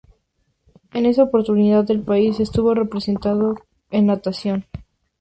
En esa oportunidad el país estuvo representado en natación.